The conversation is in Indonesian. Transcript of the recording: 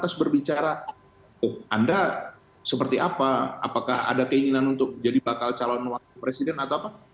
terus berbicara anda seperti apa apakah ada keinginan untuk jadi bakal calon presiden atau